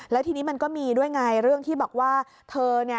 แล้วทีนี้มันก็มีด้วยไงเรื่องที่บอกว่าเธอเนี่ย